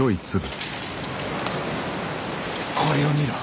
これを見ろ。